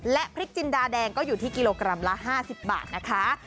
และพริกจินดาแดงก็อยู่ที่กิโลกรัมละ๕๐บาทนะคะ